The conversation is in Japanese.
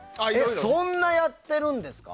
そんな、やってるんですか？